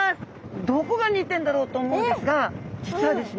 どこが似てんだろうと思うんですが実はですね